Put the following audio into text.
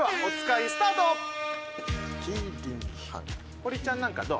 堀ちゃんなんかどう？